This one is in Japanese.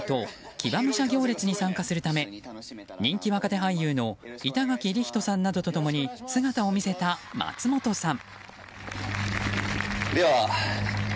騎馬武者行列に参加するため人気若手俳優の板垣李光人さんなどと共に姿を見せた松本さん。